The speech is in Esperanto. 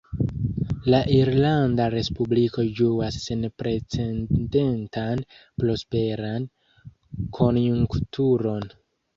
La Irlanda Respubliko ĝuas senprecendentan prosperan konjunkturon.